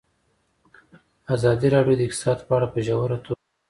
ازادي راډیو د اقتصاد په اړه په ژوره توګه بحثونه کړي.